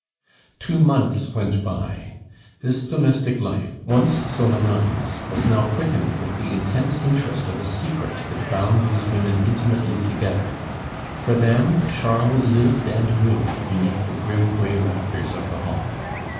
X Two months went by. This domestic life, once so monotonous, was now quickened with the intense interest of a secret that bound these women intimately together. For them Charles lived and moved beneath the grim gray rafters of the hall.